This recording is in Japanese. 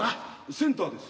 センターです。